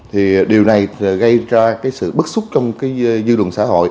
thì điều này gây ra cái sự bức xúc trong cái dư luận xã hội